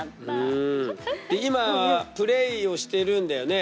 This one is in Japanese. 今はプレーをしてるんだよね